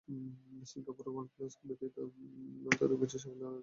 সিঙ্গাপুরের ওয়ার্ল্ড ক্লাসিকের ব্যর্থতা ঘুচিয়ে সাফল্যের আলোয় ফেরার আশায় গেলেন ফিলিপাইনে।